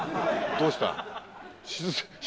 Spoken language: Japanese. どうした？